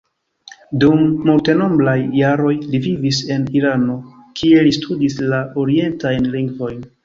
Dum multenombraj jaroj li vivis en Irano, kie li studis la orientajn lingvojn.